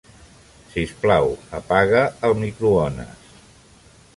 Sisplau, apaga el microones.